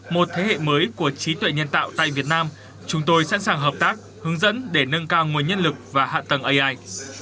một thế hệ mới của trí tuệ nhân tạo tại việt nam chúng tôi sẵn sàng hợp tác hướng dẫn để nâng cao nguồn nhân lực và hạ tầng ai